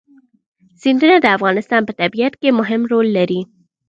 سیندونه د افغانستان په طبیعت کې مهم رول لري.